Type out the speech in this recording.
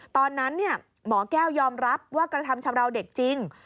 ตอนนั้นหมอแก้วยอมรับว่ากระทำชำราวเด็กจริง